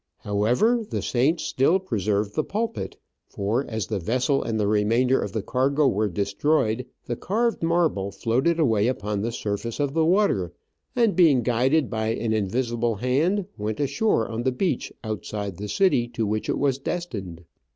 However, the saints still preserved the pulpit ; for as the vessel and the remainder of the cargo were destroyed, the carved marble floated away upon the surface of the water, and, being guided by an invisible hand, went ashore on the beach outside the city to which it was destined.